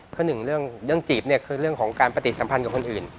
เพราะหนึ่งเรื่องจีบเนี่ยคือเรื่องของการปฏิสัมพันธ์กับคนอื่น